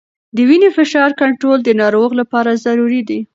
د وینې فشار کنټرول د ناروغ لپاره ضروري دی.